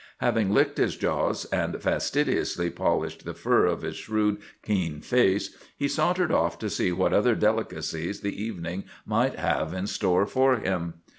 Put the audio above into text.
Having licked his jaws and fastidiously polished the fur of his shrewd, keen face, he sauntered off to see what other delicacies the evening might have in store for him.